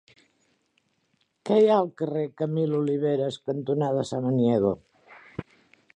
Què hi ha al carrer Camil Oliveras cantonada Samaniego?